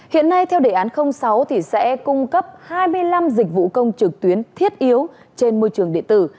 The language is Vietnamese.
hiện nay theo đề án sáu sẽ cung cấp hai mươi năm dịch vụ công trực tuyến thiết yếu trên môi trường điện tử